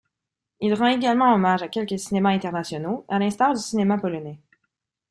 Il rend également hommage à quelques cinémas internationaux, à l’instar du cinéma polonais.